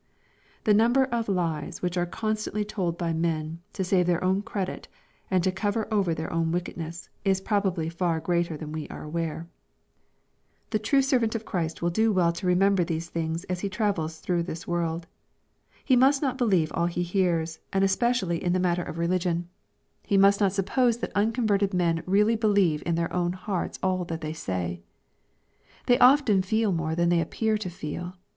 The number of lies which are constantly told by men, to save their own credit, and to cover over their own wickedness, is probably far greater than we are aware. The true servant of Christ will do well to remember these things as he travels through this world. He must not believe all he hears, and especially in the matter of LUKE, CHAP. XX. 323 religiou. He must not suppose that unconverted men really believe in their own hearts all that they say. They often feel more than they appear to feel.